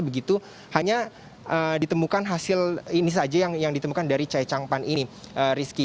begitu hanya ditemukan hasil ini saja yang ditemukan dari chai chang pan ini rizky